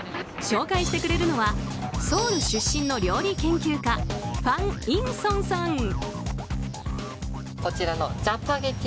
紹介してくれるのはソウル出身の料理研究家ファン・インソンさん。